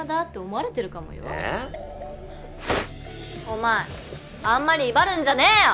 お前あんまり威張るんじゃねえよ！